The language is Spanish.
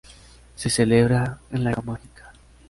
Se celebra en la Caja Mágica.